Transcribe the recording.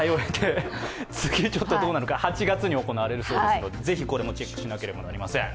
次は８月に行われるそうですけどこれもチェックしなければなりません。